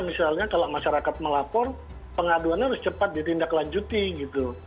misalnya kalau masyarakat melapor pengaduannya harus cepat ditindaklanjuti gitu